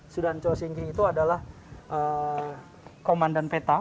sudancho singkih itu adalah komandan peta